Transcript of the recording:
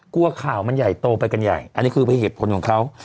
กลัวข่าวมันใหญ่โตไปกันใหญ่อันนี้คือเหตุผลของเขา